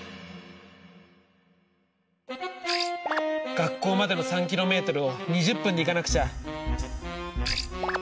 学校までの３ｋｍを２０分で行かなくちゃ！